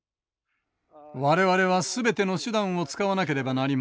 我々は全ての手段を使わなければなりません。